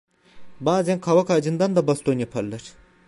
Bazan kavak ağacından da baston yaparlar…